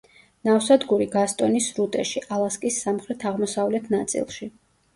ნავსადგური გასტონის სრუტეში, ალასკის სამხრეთ-აღოსავლეთ ნაწილში.